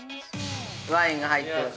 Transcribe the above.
◆ワインが入ってる。